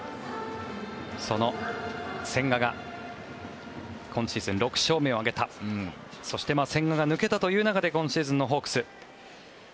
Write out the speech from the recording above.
その千賀が今シーズン６勝目を挙げたそして千賀が抜けたという中で今シーズンのホークス